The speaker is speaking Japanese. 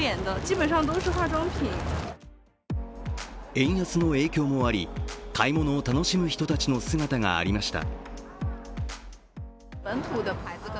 円安の影響もあり、買い物を楽しむ人たちの姿がありました。